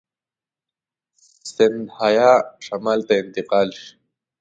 سیندهیا شمال ته انتقال شي.